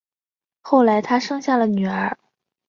后来他生下了女儿